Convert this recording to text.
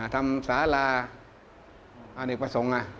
ทำสาลาอันนี้ประสงค์